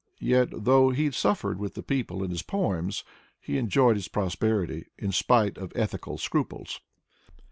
Yet though he suffered with the people in his poems, he enjoyed his prosperity, in spite of ethical scruples.